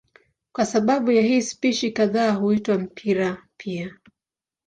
Kwa sababu ya hii spishi kadhaa huitwa mpira pia.